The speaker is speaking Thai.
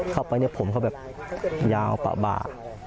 เข้าไปเนี่ยผมเขาแบบยาวปะบา